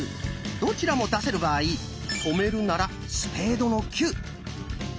どちらも出せる場合止めるなら「スペードの９」。